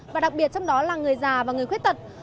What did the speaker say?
và đặc biệt trong đó là người già và người khuyết tật